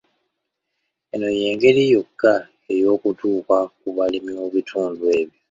Eno y'engeri yokka ey'okutuuka ku balimi mu bitundu ebyo.